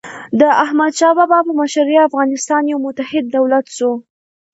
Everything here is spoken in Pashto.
د احمدشاه بابا په مشرۍ افغانستان یو متحد دولت سو.